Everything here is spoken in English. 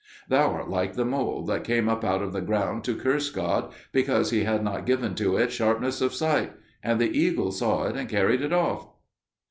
'" "Thou art like the mole that came up out of the ground to curse God because He had not given to it sharpness of sight; and the eagle saw it, and carried it off."